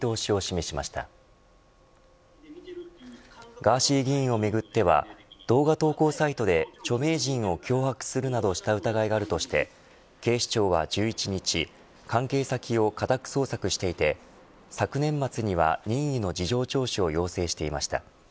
ガーシー議員をめぐっては動画投稿サイトで著名人を脅迫するなどした疑いがあるとして警視庁は１１日関係先を家宅捜索していて昨年末には任意の事情聴取を要請していました。